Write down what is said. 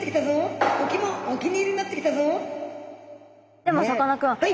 でもさかなクン